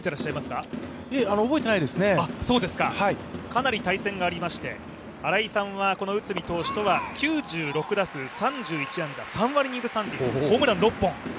かなり対戦がありまして、新井さんは内海投手とは９６打数３１安打、３割２分３厘、ホームラン６本。